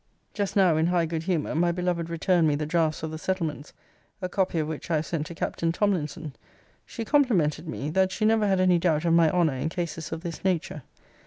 Just now, in high good humour, my beloved returned me the draughts of the settlements: a copy of which I have sent to Captain Tomlinson. She complimented me, 'that she never had any doubt of my honour in cases of this nature.'